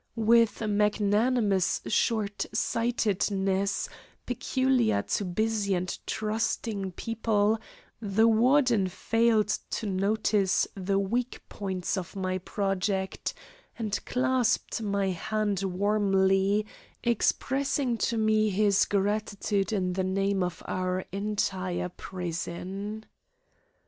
With magnanimous shortsightedness peculiar to busy and trusting people, the Warden failed to notice the weak points of my project and clasped my hand warmly, expressing to me his gratitude in the name of our entire prison.